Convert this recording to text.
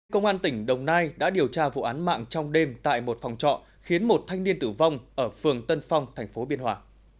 công an tỉnh đồng nai đã điều tra vụ án mạng trong đêm tại một phòng trọ khiến một thanh niên tử vong ở phường tân phong tp biên hòa